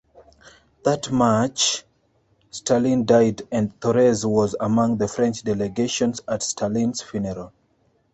That March, Stalin died and Thorez was among the French delegation at Stalin's funeral.